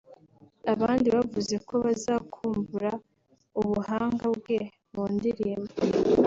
Abandi bavuze ko bazakumbura ubuhanga bwe mu ndirimbo